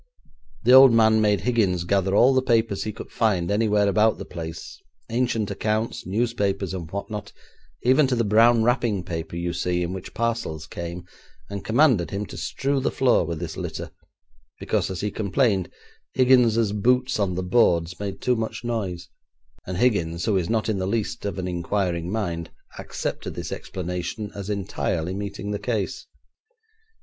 The old man made Higgins gather all the papers he could find anywhere about the place, ancient accounts, newspapers, and what not, even to the brown wrapping paper you see, in which parcels came, and commanded him to strew the floor with this litter, because, as he complained, Higgins's boots on the boards made too much noise, and Higgins, who is not in the least of an inquiring mind, accepted this explanation as entirely meeting the case.'